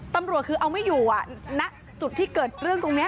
ตำรวจคือเอาไม่อยู่ณจุดที่เกิดเรื่องตรงนี้